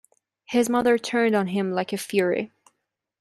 His mother turned on him like a fury.